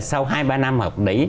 sau hai ba năm học đấy